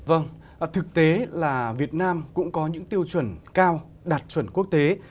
vâng thực tế là việt nam cũng có những tiêu chuẩn cao đạt chuẩn quốc tế